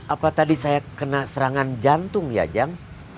apa tadi saya kena serangan jantung ya jang